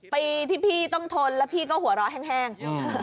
ปีที่พี่ต้องทนแล้วพี่ก็หัวเราะแห้ง